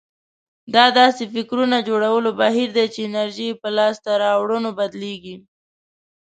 دا داسې فکرونه جوړولو بهير دی چې انرژي يې په لاسته راوړنو بدلېږي.